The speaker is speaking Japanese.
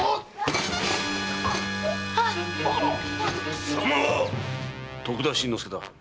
貴様は⁉徳田新之助だ。